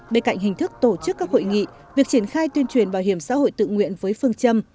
bên cạnh hình thức tổ chức các hội nghị việc triển khai tuyên truyền bảo hiểm xã hội tự nguyện với phương châm